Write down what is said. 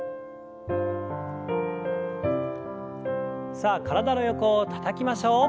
さあ体の横をたたきましょう。